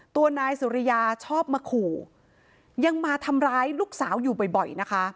ตัวนายสุริยาชอบมาขู่ยังมาทำร้ายลูกสาวอยู่บ่อยนะคะ